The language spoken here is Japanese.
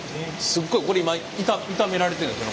これ今炒められてるんですか？